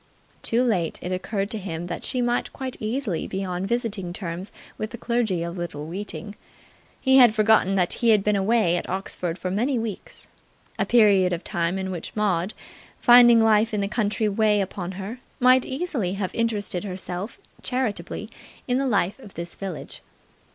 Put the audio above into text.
Too late it occurred to him that she might quite easily be on visiting terms with the clergy of Little Weeting. He had forgotten that he had been away at Oxford for many weeks, a period of time in which Maud, finding life in the country weigh upon her, might easily have interested herself charitably in the life of this village.